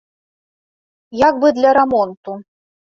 Як бы для рамонту.